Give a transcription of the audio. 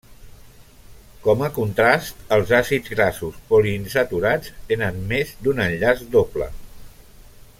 Com a contrast els àcids grassos poliinsaturats tenen més d'un enllaç doble.